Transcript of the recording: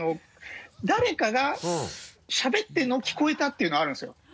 誰かがしゃべってるのを聞こえたっていうのはあるんですよ。